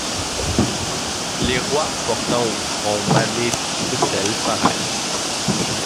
Les rois portant au front Mané Thécel Pharès